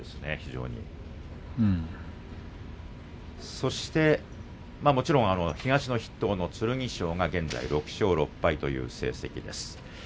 そしてもちろん東の筆頭の剣翔が現在６勝６敗という成績です。